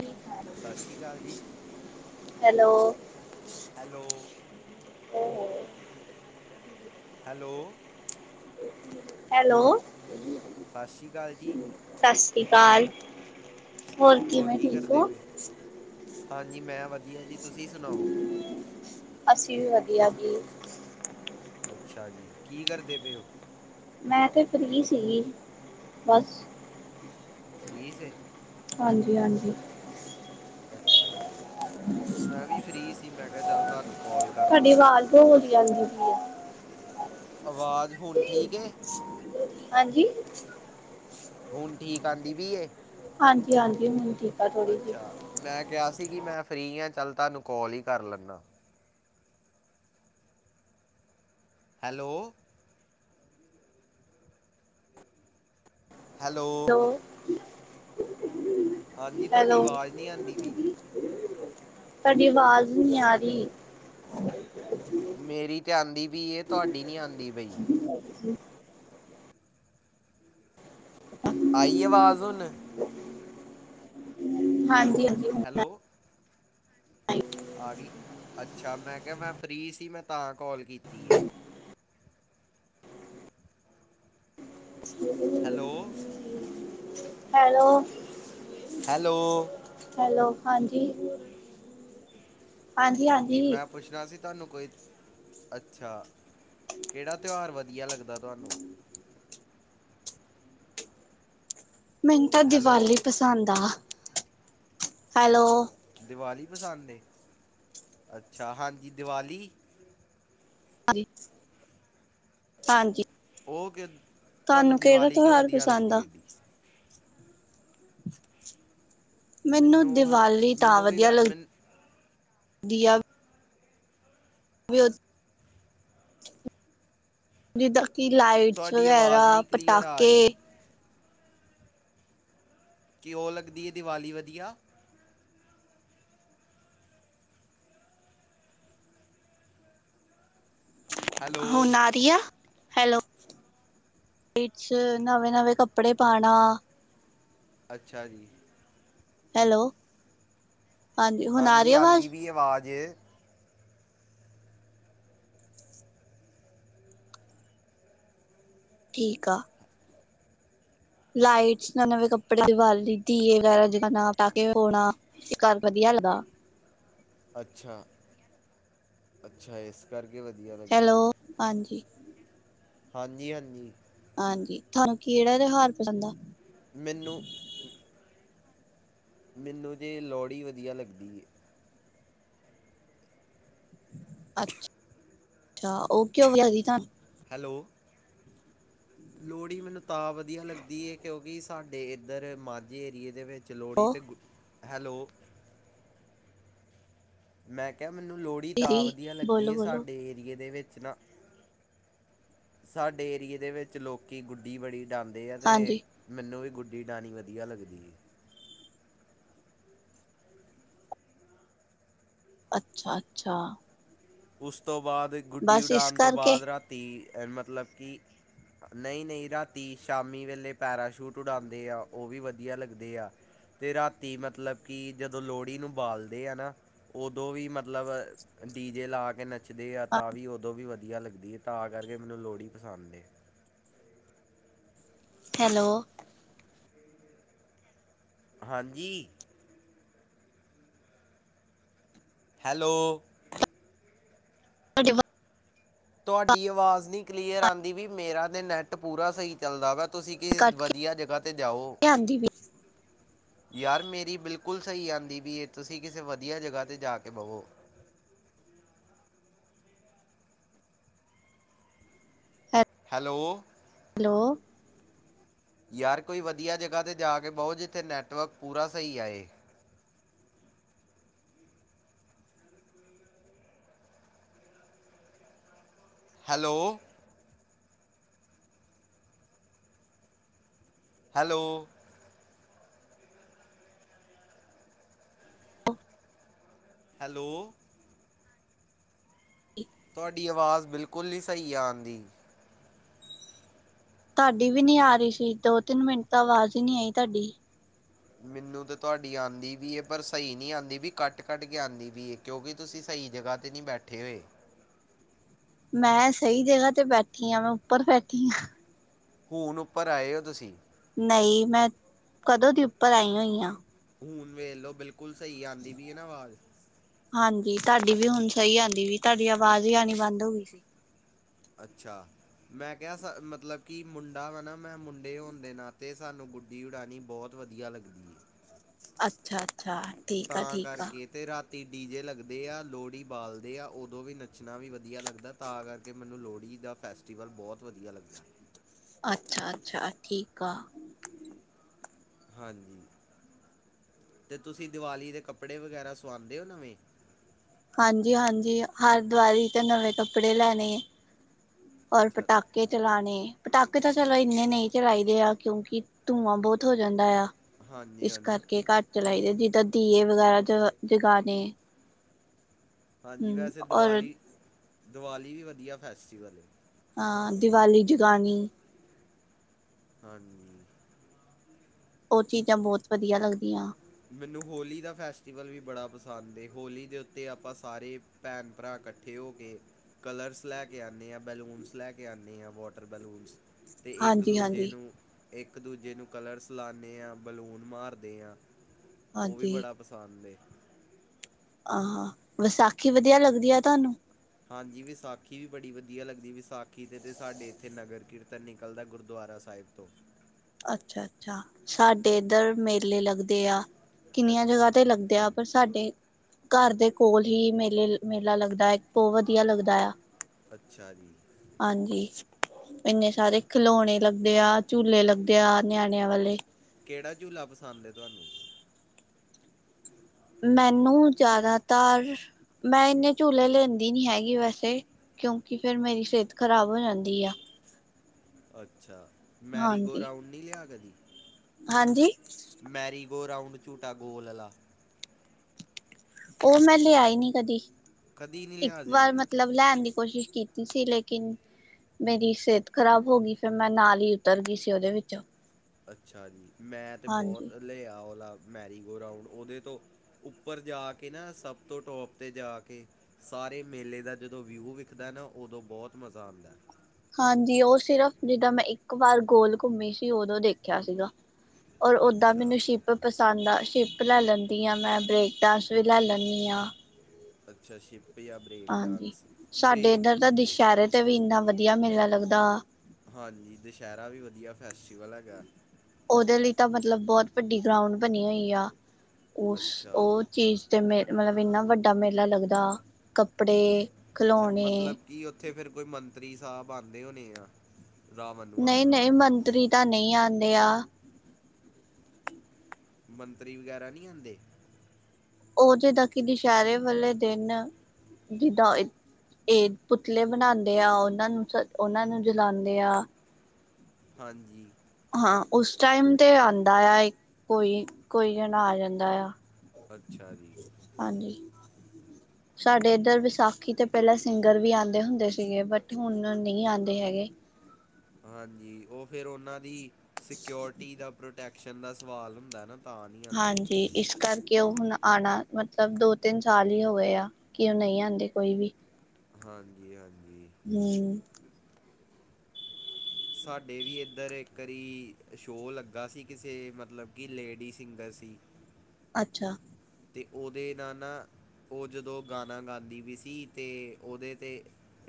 ਹ। ਸਤਿ ਸ਼੍ਰੀ ਅਕਾਲ ਜੀ। ਹੈਲੋ। ਹੈਲੋ। ਹੈਲੋ। ਹੈਲੋ। ਸਤਿ ਸ਼੍ਰੀ ਅਕਾਲ ਜੀ। ਸਤਿ ਸ਼੍ਰੀ ਅਕਾਲ। ਹੋਰ ਕਿਵੇਂ ਕੀ ਠੀਕ ਕਰਦੇ ਹੋ। ਪਏ ਹਾਂਜੀ ਮੈਂ ਵਧੀਆ ਜੀ। ਤੁਸੀਂ ਸੁਣਾਓ। ਅਸੀਂ ਵੀ ਵਧੀਆ ਜੀ। ਅੱਛਾ ਜੀ ਕੀ ਕਰਦੇ ਪਏ ਹੋ। ਮੈਂ ਤੇ ਫ੍ਰੀ ਸੀ ਬਸ। ਫ੍ਰੀ ਸੇ। ਹਾਂਜੀ-ਹਾਂਜੀ। ਅੱਛਾ ਜੀ। ਮੈਂ ਵੀ ਫ੍ਰੀ ਸੀ ਮੈਂ ਕਿਹਾ ਚੱਲ ਧੰਨੂੰ। ਤੁਹਾਡੀ ਆਵਾਜ਼ ਤੇ ਹੋਲੀ ਆਂਦੀ। ਆਵਾਜ਼ ਹੁਣ [inaudible] ਠੀਕ ਏ [unintelligible] ਹਾਂਜੀ। ਹੁਣ ਠੀਕ ਆਉਂਦੀ ਪਈ ਏ। ਹਾਂਜੀ-ਹਾਂਜੀ ਹੁਣ ਠੀ ਅੱਛਾ ਮੈਂ ਕਿਹਾ ਸੀਗੀ ਮੈਂ ਫ੍ਰੀ ਆ ਚੱਲ ਤੁਹਾਨੂੰ ਕੋਲ ਹੀ ਕਰ ਲੈਨਾ। ਹੈਲੋ। ਹੈਲੋ ਲੋ। ਹਾਂਜੀ ਤੁਹਾਡੀ ਆਵਾਜ਼ ਨਹੀਂ ਆਉਂਦੀ ਪੀ। ਤੁਹਾਡੀ ਆਵਾਜ਼ ਨੀ ਆ ਰਹੀ। ਮੇਰੀ ਤੇ ਆਂਦੀ ਪੀ ਏ ਤੁਹਾਡੀ ਨੀ ਆਂਦੀ ਪਈ। ਹ। ਆਈ ਆਵਾਜ਼ ਹੁਣ। ਹਾਂਜੀ। [unintelligible] ਆਈ ਆਗੀ। ਅੱਛਾ ਮੈਂ ਕਿਹਾ ਮੈਂ ਫਰੀ ਸੀ ਮੈਂ ਤਾਂ ਕੋਲ ਕੀਤੀ। Hello [unintelligible] hello. ਹੈਲੋ। ਹੈਲੋ ਹਾਂਜੀ। ਹਾਂਜੀ। ਮੈਂ ਪੁੱਛਣਾ ਸੀ ਤੁਹਾਨੂੰ ਕੋਈ ਅੱਛਾ ਕਿਹੜਾ ਤਿਉਹਾਰ ਵਧੀਆ ਲੱਗਦਾ ਤੁਹਾਨੂੰ ਮੈਨੂੰ ਤਾਂ ਹੈਲੋ ਦਿਵਾਲੀ ਪਸੰਦ ਆ। ਹੈਲੋ। ਦੀਵਾਲੀ ਪਸੰਦ ਅੱਛਾ ਹਾਂਜੀ ਦੀਵਾਲੀ ਹਾਂਜੀ ਉਹ ਕਿ ਤੁਹਾਨੂੰ ਕਿਹੜਾ ਦੀਵਾਲੀ ਕਿੳ ਤਿਉਹਾਰ ਵਧੀਆ ਪਸੰਦ ਲੱਗਦੀ ਆ ਏ [inaudible] ਮੈਨੂੰ ਦੀਵਾਲੀ ਤਾਂ ਮੈਨੂੰ ਵੀ ਵਧੀਆ ਵੈ ਲੱਗਦੀ ਮੈਨ ਦਿਆ [unintelligible] [unintelligible] ਕਿ ਲਾਈਟਸ ਤੁਹਾਡੀ ਆਵਾਜ਼ ਵਗੈਰਾ ਨਹੀਂ ਕਲੀਅਰ ਆ ਰਹੀ ਪਟਾਕੇੇ ਕਿਉ ਲੱਗਦੀ ਹੈ? ਦੀਵਾਲੀ ਵਧੀਆ ਹੈਲੋ ਹੁਣ ਆ ਰੀ ਆ ਹੈਲੋ ਨਵੇਂ, ਨਵੇਂ ਕੱਪੜੇ ਪਾਣਾ ਅੱਛਾ ਜੀ। ਹੈਲੋ। ਹੁਣ ਆ ਹਾਂਜੀ ਰਹੀ ਆਵਾਜ਼ ਆਦੀ ਪੀ ਏ ਆਵਾਜ਼ ਠੀਕ ਆ। ਲਾਈਟਸ ਨਵੇ- ਨਵੇਂ ਕੱਪੜੇ ਦੀ ਬਾਲ ਲਈ ਦਿਏ ਵਗੈਰਾ ਜਾ ਪਟਾਕੇ ਫੋੜਨਾ ਤੇ ਘਰ ਵਧੀਆ ਲੱਗਾ ਅੱਛਾ-ਅੱਛਾ ਇਸ ਕਰਕੇ ਵਧੀਆ ਹੈਲੋ ਲੱਗਦੀ ਹੈ ਹਾਂਜੀ। ਹਾਂਜੀ- ਹਾਂਜੀ। ਹਾਂਜੀ। ਤੁਹਾਨੂੰ ਕਿਹੜਾ ਤਿਉਹਾਰ ਪਸੰਦ ਆ ਮੈਨੂੰ ਮੈਨੂੰ ਜੇ ਲੋਹੜੀ ਵਧੀਆ ਲੱਗਦੀ ਅੱ ਅੱਛਾ ਉਹ ਕਿਉਂ ਵ ਤੁਾਨੂੰ ਹੈਲੋ ਲੋਹੜੀ ਮੈਨੂੰ ਤਾਂ ਵਧੀਆ ਲੱਗਦੀ ਹੈ ਕਿਉਂਕਿ ਸਾਡੇ ਇੱਧਰ ਮਾਝੇ ਏਰੀਏ ਦੇ ਵਿੱਚ ਜ ਲੋਹੜੀ ਉਹ ਅਤੇ ਗੁ ਹੈਲੋ। ਮੈਂ ਕਿਹਾ ਮੈਨੂੰ ਲੋਹੜੀ ਤਾਂ ਦੀਦੀ ਵਧੀਆ ਲੱਗਦੀ ਬੋਲੋ ਹੈ ਬੋਲੋ ਸਾਡੇ ਏਰੀਏ ਦੇ ਵਿੱਚ ਸਾਡੇ ਰੀਏ ਦੇ ਵਿੱਚ ਲੋਕ ਗੁੱਡੀ ਬੜੀ ਡਾਂਉਂਦੇ ਆ ਤੇ ਹਾਂਜੀ ਮੈਨੂੰ ਵੀ ਗੁੱ ਗੁਡੀ ਡਾਣੀ ਵਧੀਆ ਲੱਗਦੀ ਹੈ। ਅੱਛਾ, ਅੱਛਾ। ਉਸ ਤੋਂ ਬਾਅਦ ਗੁੱਡੀ ਬਸ ਇਸ ਉਡਾਉਣ ਤੋਂ ਕਰਕੇ ਬਾਅਦ ਰਾਤੀ ਮਤਲਬ ਕਿ ਨਹੀਂ ਨਹੀਂ ਰਾਤੀ ਸ਼ਾਮੀ ਵੇਲੇ ਪੈਰਾਸ਼ੂਟ ਉਡਾਉਂਦੇ ਆ ਉਹ ਵੀ ਵਧੀਆ ਲੱਗਦੇ ਆ ਅਤੇ ਰਾਤੀ ਮਤਲਬ ਕਿ ਜਦੋਂ ਲੋਹੜੀ ਨੂੰ ਬਾਲਦੇ ਆ ਨਾ ਉਦੋਂ ਵੀ ਮਤਲਬ ਡੀ ਜੇ ਲੈ ਕੇ ਨ ਆ ਤਾਂ ਵੀ ਉਦੋਂ ਵੀ ਵਧੀਆ ਵਧੀਆ ਲੱਗਦੀ ਹੈ ਤਾਂ ਕਰਕੇ ਮੈਨੂੰ ਲੋਹੜੀ ਪਸੰਦ ਏ। ਹੈਲੋ। ਹਾਂਜੀ। ਹੈਲੋ। ਤੁਹਾਡੀ ਤੁਹਾਡੀ ਆਵਾਜ਼ ਨੀ ਕਲੀਅਰ ਆਉਂਦੀ ਵੀ ਮੇਰਾ ਤੇ ਨੈਟ ਪੂਰਾ ਸਹੀ ਚੱਲਦਾ ਵਾ ਤੁਸੀਂ ਕਿਸ ਕੱਟ ਕੇ ਵਧੀਆ ਜਗ੍ਹਾ ਤੇ ਜਾਓ। ਆਂਦੀ ਪਈ ਯਾਰ ਮੇਰੀ ਬਿਲਕੁਲ ਸਹੀ ਆਉਂਦੀ ਵੀ ਇਹ ਤੁਸੀਂ ਕਿਸੇ ਵਧੀਆ ਜਗ੍ਹਾ ਤੇ ਜਾ ਕੇ ਬਵੋ। ਹੈਲੋ। ਹੈਲੋ ਯਾਰ ਕੋਈ ਵਧੀਆ ਜਗ੍ਹਾ ਤੇ ਜਾ ਕੇ ਬਹੁ ਜਿੱਥੇ ਨੈਟਵਰਕ ਪੂਰਾ ਸਹੀ ਆਏ। ਹੈਲੋ। ਹੈਲੋ। ਹੈਲੋ। ਤੁਹਾਡੀ ਆਵਾਜ਼ ਬਿਲਕੁਲ ਨਹੀਂ ਸਹੀ ਆ ਆਉਂਦੀ। ਤੁਹਾਡੀ ਵੀ ਨੀ ਆ ਰਹੀ ਸੀ ਦੋ ਤਿੰਨ ਮਿੰਟ ਤਾਂ ਆਵਾਜ਼ ਹੀ ਨਹੀਂ ਆਈ ਤੁਹਾਡੀ। ਮੈਨੂੰ ਤਾਂ ਤੁਹਾਡੀ ਆਉਂਦੀ ਵੀ ਪਰ ਸਹੀ ਨਹੀਂ ਆਉਂਦੀ ਵੀ ਕੱਟ ਕੱਟ ਕੇ ਆਉਂਦੀ ਵੀ ਹੈ ਕਿਉਂਕਿ ਤੁਸੀਂ ਸਹੀ ਜਗ੍ਹਾ ਤੇ ਨਹੀਂ ਬੈਠੇ ਹੋਏ। ਮੈਂ ਸਹੀ ਜਗ੍ਹਾ ਤੇ ਬੈਠੀ ਆ ਮੈਂ ਉੱਪਰ ਬੈਠੀ ਹਾਂ। ਹੁਣ ਉੱਪਰ ਆਏ ਹੋ ਤੁਸੀਂ। ਨਹੀਂ ਮੈਂ ਕਦੋਂ ਦੀ ਉੱਪਰ ਆਈ ਹੋਈ ਹਾਂ। ਹੁਣ ਵੇਖ ਲੋ ਬਿਲਕੁਲ ਹੁਣ ਸਹੀ ਆਉਂਦੀ ਵੀ ਆ ਨਾ ਆਵਾਜ਼। ਹਾਂਜੀ ਤੁਹਾਡੀ ਵੀ ਹੁਣ ਸਹੀ ਆਉਂਦੀ ਵੀ ਤੁਹਾਡੀ ਆਵਾਜ਼ ਹੀ ਆਉਣੀ ਬੰਦ ਹੋ ਗਈ ਸੀ। ਅੱਛਾ ਮੈਂ ਕਿਹਾ ਮਤਲਬ ਕਿ ਮੁੰਡਾ ਵਾ ਨਾ ਮੈਂ ਮੁੰਡੇ ਹੋਣ ਦੇ ਨਾਤੇ ਸਾਨੂੰ ਗੁੱਡੀ ਉਡਾਉਣੀ ਬਹੁਤ ਵਧੀਆ ਲੱਗਦੀ ਹੈ। ਅੱਛਾ। ਅੱਛਾ, ਠੀਕ ਆ, ਠੀਕ ਆ। ਪਤੀ ਡੀ ਜੇ ਲੱਗਦੇ ਆ ਲੋਹੜੀ ਬਾਲਦੇ ਆ ਉਦੋਂ ਵੀ ਨੱਚਣਾ ਵੀ ਵਧੀਆ ਲੱਗਦਾ ਤਾਂ ਕਰਕੇ ਮੈਨੂੰ ਲੋਹੜੀ ਦਾ ਫੈਸਟੀਵਲ ਬਹੁਤ ਵਧੀਆ ਲੱਗਦਾ। ਅੱਛਾ-ਅੱਛਾ, ਠੀਕ ਆ। ਹਾਂਜੀ, ਤੇ ਤੁਸੀਂ ਦਿਵਾਲੀ ਦੇ ਕੱਪੜੇ ਵਗੈਰਾ ਸਵਾਉਂਦੇ ਹੋ ਨਵੇਂ, ਹਾਂਜੀ-ਹਾਂਜੀ, ਹਰ ਦਿਵਾਲੀ ਤੇ ਨਵੇਂ ਕੱਪੜੇ ਲੈਣੇ ਹੈ। ਔਰ ਅੱਛਾ ਪਟਾਕੇ ਚਲਾਣੇ। ਪਟਾਕੇ ਤਾਂ ਚਲੋ ਇੰਨੇ ਨਹੀਂ ਚਲਾਈਦੇ ਆ ਕਿਉਂਕਿ ਧੂੰਆਂ ਬਹੁਤ ਹੋ ਜਾਂਦਾ ਆ। ਹਾਂਜੀ ਇਸ ਹਾਂਜੀ ਕਰਕੇ ਘਰ ਚਲਾਈਦੇ ਜਿੱਦਾਂ ਦੀਏ ਵਗੈਰਾ ਜ ਜਗਾਣੇ ਹਾਂਜੀ ਹਮ ਵੈਸੇ ਔਰ ਦੀਵਾਲੀ-ਦੀਵਾਲੀ ਵੀ ਵਧੀਆ। ਫੈਸਟੀਵਲ ਏ। ਹਾਂ ਦੀਵਾਲੀ ਜਗਾਣੀ ਹਾਂਜੀ, ਉਹ ਚੀਜ਼ਾਂ ਬਹੁਤ ਵਧੀਆ ਲੱਗਦੀ ਦੀਆਂ। ਮੈਨੂੰ ਹੋਲੀ ਦਾ ਫੈਸਟੀਵਲ ਵੀ ਬੜਾ ਪਸੰਦ ਏ ਹੋਲੀ ਦੇ ਉੱਤੇ ਆਪਾਂ ਸਾਰੇ ਭੈਣ- ਭਰਾ ਇਕੱਠੇ ਹੋ ਕੇ ਕਲਰਸ ਲੈ ਕੇ ਆਣੇ ਹਾਂ ਬੈਲੂਨਸ ਲੈ ਕੇ ਆਂਨੇ ਹਾਂ ਵੋਟਰ ਬੈਲੂਨਸ ਤੇ ਇੱਕ ਹਾਂਜੀ ਦੂਜੇ ਹਾਂਜੀ ਨੂੰ ਇੱਕ ਦੂਜੇ ਨੂੰ ਕਲਰਸ ਲਾਂਨੇ ਹਾਂ ਬਲੂਨਸ ਮਾਰਦੇ ਹਾਂ। ਉਹ ਵੀ ਹਾਂਜੀ ਬੜਾ ਪਸੰਦ ਏ। ਆਹੋ ਵਿਸਾਖੀ ਵਧੀਆ ਲੱਗਦੀ ਆ ਤੁਹਾਨੂੰ ਹਾਂਜੀ ਵਿਸਾਖੀ ਵੀ ਬੜੀ ਵਧੀਆ ਲੱਗਦੀ ਵਿਸਾਖੀ ਤੇ ਸਾਡੇ ਇੱਥੋਂ ਨਗਰ ਕੀਰਤਨ ਨਿਕਲਦਾ ਗੁਰਦੁਆਰਾ ਸਾਹਿਬ ਤੋਂ ਅੱਛਾ- ਅੱਛਾ ਸਾਡੇ ਇੱਧਰ ਮੇਲੇ ਲੱਗ ਦੇ ਆ ਕਿੰਨੀਆਂ ਅੱਛਾ ਜਗ੍ਹਾ ਤੇ ਜੀ ਲੱਗਦੇ ਆ ਪਰ ਸਾਡੇ ਘਰ ਦੇ ਕੋਲ ਹੀ ਮੇਲੇ ਮੇਲਾ ਲੱਗਦਾ ਹੈ, ਬਹੁਤ ਵਧੀਆ ਲੱਗਦਾ ਆ। ਅੱਛਾ ਜੀ। ਹਾਂਜੀ ਇੰਨੇ ਸਾਰੇ ਖਲੋਣੇ ਲੱਗਦੇ ਆ, ਝੂਲੇ ਲੱਗਦੇ ਆ ਨਿਆਣਿਆਂ ਵਾਲੇ ਕਿਹੜਾ ਝੂਲਾ ਪਸੰਦ ਹੈ ਤੁਹਾਨੂੰ। ਮੈਨੂੰ ਜ਼ਿਆਦਾਤਰ ਮੈਂ ਇਨੇ ਝੂਲੇ ਲੈਂਦੀ ਨੀ ਹੈਗੀ ਵੈਸੇ ਕਿਉਂਕਿ ਫੇਰ ਮੇਰੀ ਸਿਹਤ ਖ਼ਰਾਬ ਹੋ ਜਾਂਦੀ ਆ। ਅੱਛਾ। ਮੈਰੀਗੋ ਹਾਂਜੀ ਰਾਊਂਡ ਨਹੀਂ ਲਿਆ ਕਦੀ। ਹਾਂਜੀ। ਮੈਰੀਗੋ ਰਾਊਂਡ ਝੂਟਾ ਗੋਲ ਆਲਾ। ਉਹ ਮੈਂ ਲਿਆ ਈ ਨੀ ਕਦੀ ਕਦੀ ਨਹੀਂ ਇੱਕ ਲਿਆ ਵਾਰ ਜ਼ਿੰਦਗੀ 'ਚ ਮਤਲਬ ਲੈਣ ਦੀ ਕੋਸ਼ਿਸ਼ ਕੀ ਸੀ ਲੇਕਿਨ ਮੇਰੀ ਸਿਹਤ ਖ਼ਰਾਬ ਹੋ ਗਈ ਫੇਰ ਮੈਂ ਨਾਲ ਹੀ ਉਤਰ ਗਈ ਸੀ ਉਹਦੇ ਵਿੱਚੋਂ ਅੱਛਾ ਜੀ, ਮੈਂ ਤੇ ਹਾਂਜੀ ਬਹੁਤ ਲਿਆ ਆਹ ਵਾਲਾ ਮੈਰੀਗੋ ਰਾਊਂਡ ਉਹਦੇ ਤੋਂ ਉੱਪਰ ਜਾ ਕੇ ਨਾ ਸਭ ਤੋਂ ਟੋਪ ਤੇ ਜਾ ਕੇ ਸਾਰੇ ਮੇਲੇ ਦਾ ਜਦੋਂ ਵਿਊ ਵਿਖਦਾ ਨਾ ਉਦੋਂ ਬਹੁਤ ਮਜ਼ਾ ਆਂਦਾ। ਹਾਂਜੀ ਉਹ ਸਿਰਫ ਜਿੱਦਾਂ ਮੈਂ ਇੱਕ ਵਾਰ ਗੋਲ ਘੁੰਮੀ ਸੀ, ਉਦੋਂ ਦੇਖਿਆ ਸੀਗਾ। ਔਰ ਓਦਾਂ ਅੱਛਾ ਮੈਨੂੰ ਸ਼ਿਪ ਪਸੰਦ ਆ। ਸ਼ਿਪ ਲੈ ਲੈਂਦੀ ਹਾਂ, ਮੈਂ ਬ੍ਰੇਕ ਡਾਂਸ ਵੀ ਲੈ ਲੈਂਦੀ ਹਾਂ। ਅੱਛਾ ਸ਼ਿਪ ਜਾਂ ਬ੍ਰੇਕ ਹਾਂਜੀ ਡਾਂਸ ਸਾਡੇ ਬ੍ਰੇਕ ਇੱਧਰ ਤਾਂ ਦੁਸਹਿਰੇ ਤੇ ਵੀ ਇੰਨਾ ਵਧੀਆ ਮੇਲਾ ਲੱਗਦਾ। ਹਾਂਜੀ ਦੁਸਹਿਰਾ ਵੀ ਵਧੀਆ ਫੈਸਟੀਵਲ ਹੈਗਾ। ਉਹਦੇ ਲਈ ਤਾਂ ਮਤਲਬ ਬਹੁਤ ਵੱਡੀ ਗਰਾਊਂਡ ਬਣੀ ਹੋਈ ਆ। ਉਸ ਅੱਛਾ ਉਹ ਚੀਜ਼ ਤੇ ਮੇਰੇ ਮਤਲਬ ਇੰਨਾ ਵੱਡਾ ਮੇਲਾ ਲੱਗਦਾ ਕੱਪੜੇ ਅੱਛਾ ਖਿਲੌਣੇ ਮਤਲਬ ਕਿ ਉੱਥੇ ਫਿਰ ਕੋਈ ਮੰਤਰੀ ਤਾਂ ਬੰਦੇ ਹੋਣੇ ਆ। ਰਾਵਣ ਨੂੰ ਅੱਗ ਨਹੀਂ ਨਹੀਂ ਲਾਉਣ ਮੰਤਰੀ ਤਾਂ ਨਹੀਂ ਆਂ। ਆ। ਮੰਤਰੀ ਵਗੈਰਾ ਨਹੀਂ ਆਉਦੇ ਉਹ ਜਿਦਾਂ ਕਿ ਦੁਸਹਿਰੇ ਵਾਲੇ ਦਿਨ ਜਿੱਦਾਂ ਇਹ ਪੁਤਲੇ ਬਣਾਉਂਦੇ ਆ ਉਹਨਾਂ ਨੂੰ ਸ ਉਹਨਾਂ ਨੂੰ ਜਲਾਉਂਦੇ ਆ ਹਾਂਜੀ ਹਾਂ ਉਸ ਟਾਈਮ ਤੇ ਆਉਂਦਾ ਆ ਕੋਈ ਕੋਈ ਜਣਾ ਆ ਜਾਂਦਾ ਆ ਅੱਛਾ ਜੀ ਹਾਂਜੀ ਸਾਡੇ ਇੱਧਰ ਵਿਸਾਖੀ ਤੇ ਪਹਿਲਾਂ ਸਿੰਗਰ ਵੀ ਆਉਂਦੇ ਹੁੰਦੇ ਸੀਗੇ ਬਟ ਹੁਣ ਨਹੀਂ ਆਉਂਦੇ ਹੈਗੇ ਹਾਂਜੀ ਉਹ ਫਿਰ ਪਤਾ ਨਹੀਂ ਬਲਜੀਤ ਭਾਰੀ ਕਰਨਾ ਕਹਿੰਦਾ ਸਿੱਕੇ ਕੀ ਬਲਜੀਤ ਭਾਜੀ ਕਰਨਾ ਕਾਹਦਾ ਜਿੱਕੇਗੀ ਉਹਨਾਂ ਦੀ ਸਿਕਿਉਰਟੀ ਦਾ ਪ੍ਰੋਡਕਟ ਐਕਸ਼ਨ ਦਾ ਸਵਾਲ ਹੁੰਦਾ ਹੈ ਨਾ ਤਾਂ ਨਹੀਂ ਆਉਂਦੇ ਹਾਂਜੀ ਇਸ ਕਰਕੇ ਕਿ ਉਹ ਹੁਣ ਆਉਣਾ ਮਤਲਬ ਦੋ ਤਿੰਨ ਸਾਲ ਹੀ ਹੋ ਗਏ ਆ ਕਿ ਉਹ ਨਹੀਂ ਆਉਂਦੇ ਕੋਈ ਵੀ ਹਾਂਜੀ ਹਾਂਜੀ ਹੂੰ ਸਾਡੇ ਵੀ ਇੱਧਰ ਇੱਕ ਵਾਰੀ ਸ਼ੋਅ ਲੱਗਾ ਸੀ ਕਿਸੇ ਮਤਲਬ ਕਿ ਲੇਡੀ ਸਿੰਗਰ ਸੀ ਅੱਛਾ ਤੇ ਉਹਦੇ ਨਾਲ ਨਾ ਉਹ ਜਦੋਂ ਗਾਣਾ ਗਾਉਂਦੀ ਵੀ ਸੀ ਤੇ ਉਹਦੇ ਤੇ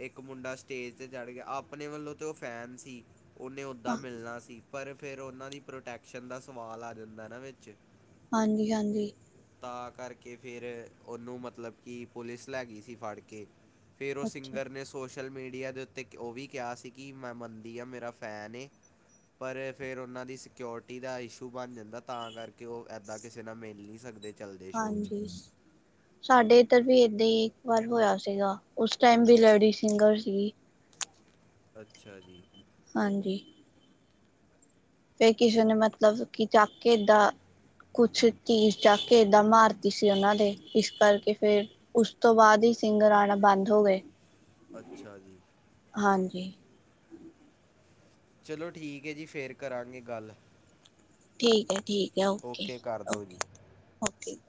ਇੱਕ ਮੁੰਡਾ ਸਟੇਜ ਤੇ ਚੜ੍ਹ ਗਿਆ ਆਪਣੇ ਵੱਲੋਂ ਤਾਂ ਉਹ ਫੈਨ ਸੀ ਉਹਨੇ ਉੱਦਾਂ ਹਾਂ ਮਿਲਣਾ ਸੀ ਪਰ ਫਿਰ ਉਹਨਾਂ ਦੀ ਪ੍ਰੋਟੈਕਸ਼ਨ ਦਾ ਸਵਾਲ ਆ ਜਾਂਦਾ ਨਾ ਵਿੱਚ ਹਾਂਜੀ ਹਾਂਜੀ ਤਾਂ ਕਰਕੇ ਫਿਰ ਉਹਨੂੰ ਮਤਲਬ ਕਿ ਪੁਲਿਸ ਲੈ ਗਈ ਸੀ ਫੜ ਕੇ ਫਿਰ ਉਹ ਅੱਛਾ ਸਿੰਗਰ ਨੇ ਸੋਚ ਸੋਸ਼ਲ ਮੀਡੀਆ ਦੇ ਉੱਤੇ ਉਹ ਵੀ ਕਿਹਾ ਸੀ ਕਿ ਮੈਂ ਮੰਨਦੀ ਹਾਂ ਮੇਰਾ ਫੈਨ ਏ ਪਰ ਫਿਰ ਉਹਨਾਂ ਦੀ ਸਕਿਓਰਟੀ ਦਾ ਇਸ਼ੂ ਬਣ ਜਾਂਦਾ ਤਾਂ ਕਰਕੇ ਉਹ ਇੱਦਾਂ ਕਿਸੇ ਨਾਲ ਮਿਲ ਨਹੀਂ ਸਕਦਾ ਹਾਂਜੀ ਸਾਡੇ ਇੱਧਰ ਵੀ ਦੇ ਇੱਕ ਵਾਰ ਹੋਇਆ ਸੀਗਾ ਉਸ ਟਾਈਮ ਵੀ ਲੇਡੀ ਸਿੰਗਰ ਸੀਗੀ ਅੱਛਾ ਜੀ ਹਾਂਜੀ ਫਿਰ ਕਿਸੇ ਨੇ ਮਤਲਬ ਕਿ ਚਾਹ ਕੇ ਏਦਾਂ ਕੁਛ ਧੀ ਚ ਕੇ ਏਦਾਂ ਮਾਰਤੀ ਸੀ ਉਹਨਾਂ ਦੇ ਇਸ ਕਰਕੇ ਫਿਰ ਉਸ ਤੋਂ ਬਾਅਦ ਹੀ ਸਿੰਘ ਰਾਣਾ ਬੰਦ ਹੋ ਗਏ ਅੱਛਾ ਜੀ ਹਾਂਜੀ ਚਲੋ ਠੀਕ ਹੈ ਜੀ ਫਿਰ ਕਰਾਂਗੇ ਗੱਲ ਠੀਕ ਠੀਕ ਓਕੇ ਕਰ ਦਿਓ ਓਕੇ ਜੀ ਠੀਕ